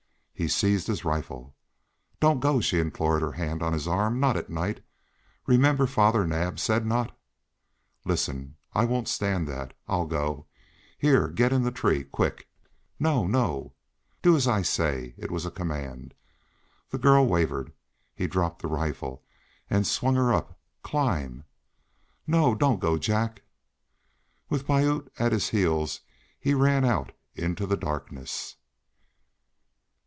He seized his rifle. "Don't go," she implored, her hand on his arm. "Not at night remember Father Naab said not." "Listen! I won't stand that. I'll go. Here, get in the tree quick!" "No no " "Do as I say!" It was a command. The girl wavered. He dropped the rifle, and swung her up. "Climb!" "No don't go Jack!" With Piute at his heels he ran out into the darkness.